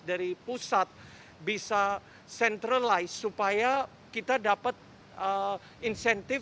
dari pusat bisa centralize supaya kita dapat insentif